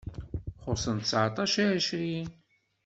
Xuṣṣen ttseɛṭac i ɛecrin.